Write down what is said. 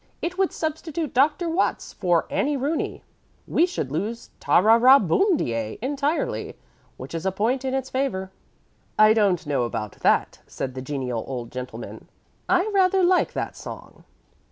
It would substitute Dr. Watts for 'Annie Rooney.' We should lose 'Ta ra ra boom de ay' entirely, which is a point in its favor." "I don't know about that," said the genial old gentleman. "I rather like that song."